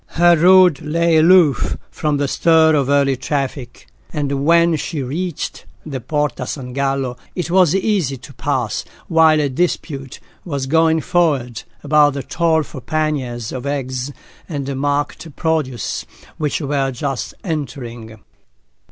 Her road lay aloof from the stir of early traffic, and when she reached the Porta San Gallo, it was easy to pass while a dispute was going forward about the toll for panniers of eggs and market produce which were just entering.